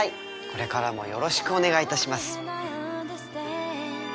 これからもよろしくお願いいたします。